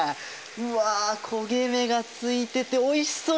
うわ焦げ目がついてておいしそう！